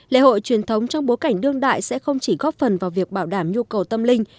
lễ hội truyền thống trong bối cảnh đương đại sẽ không chỉ góp phần vào việc bảo đảm nhu cầu tâm linh